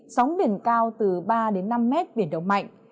sóng biển cao từ ba đến năm mét biển động mạnh